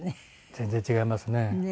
全然違いますね。